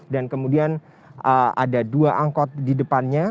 dan kemudian ada dua angkot di depannya